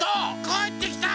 かえってきた！